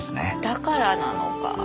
だからなのか？